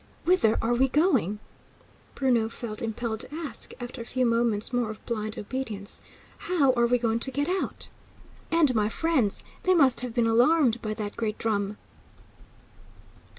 "Whither are we going?" Bruno felt impelled to ask, after a few moments more of blind obedience. "How are we going to get out? And my friends, they must have been alarmed by that great drum!"